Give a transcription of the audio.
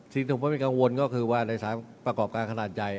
สิ่งที่ผมเป็นกังวลก็คือว่าในสารประกอบการขนาดใหญ่